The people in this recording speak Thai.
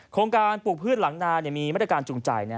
โครงการปลูกพืชหลังนามีมาตรการจูงใจ